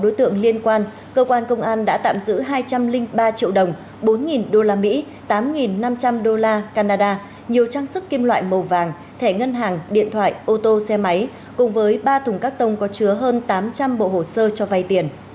đối tượng liên quan cơ quan công an đã tạm giữ hai trăm linh ba triệu đồng bốn usd tám năm trăm linh đô la canada nhiều trang sức kim loại màu vàng thẻ ngân hàng điện thoại ô tô xe máy cùng với ba thùng các tông có chứa hơn tám trăm linh bộ hồ sơ cho vay tiền